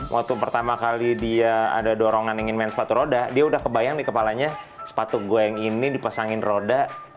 waktu pertama kali dia ada dorongan ingin main sepatu roda dia udah kebayang di kepalanya sepatu gue yang ini dipasangin roda